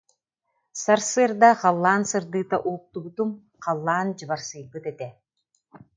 Сарсыарда халлаан сырдыыта уһуктубутум, халлаан дьыбарсыйбыт этэ